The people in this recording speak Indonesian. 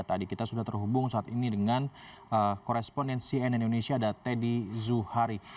tadi kita sudah terhubung saat ini dengan korespondensi nn indonesia ada teddy zuhari